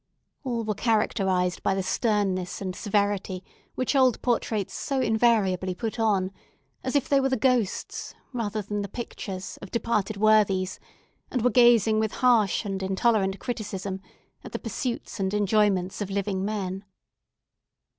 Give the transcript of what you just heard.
All were characterised by the sternness and severity which old portraits so invariably put on, as if they were the ghosts, rather than the pictures, of departed worthies, and were gazing with harsh and intolerant criticism at the pursuits and enjoyments of living men.